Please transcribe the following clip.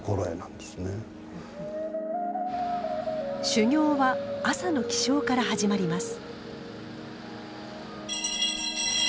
修行は朝の起床から始まります。